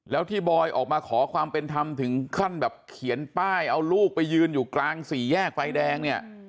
แล้วที่บอยออกมาขอความเป็นธรรมถึงขั้นแบบเขียนป้ายเอาลูกไปยืนอยู่กลางสี่แยกไฟแดงเนี่ย